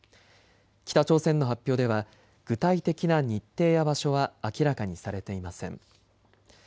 北朝鮮の発表では具体的な日程や場所は明らかにされていません。